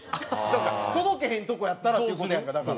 届けへんとこやったらっていう事やんかだから。